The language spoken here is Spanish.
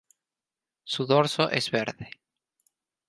Su dorso es verde.